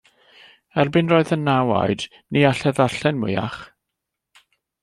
Erbyn roedd yn naw oed, ni allai ddarllen mwyach.